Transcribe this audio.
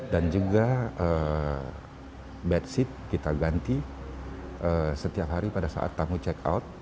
dan juga bed seat kita ganti setiap hari pada saat tamu check out